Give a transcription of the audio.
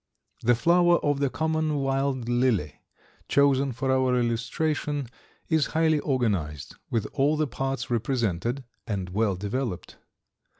The flower of the common wild lily, chosen for our illustration, is highly organized, with all the parts represented and well developed.